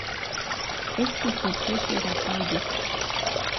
Estis necese rapidi.